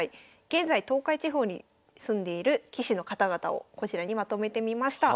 現在東海地方に住んでいる棋士の方々をこちらにまとめてみました。